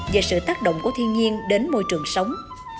về sự tác động của thiên nhiên đến môi trường sống